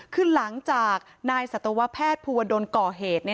คือหลังจากนายสัตวแพทย์ภูวดลก่อเหตุ